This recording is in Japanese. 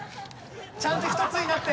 ちゃんとひとつになって！